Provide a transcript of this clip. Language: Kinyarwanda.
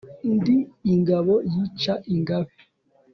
ndi ingabo yica ingabe.